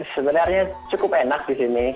sebenarnya cukup enak di sini